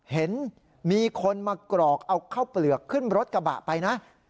เห็นมีคนมากรอกเอาข้าวเปลือกขึ้นรถกระบะไปนะ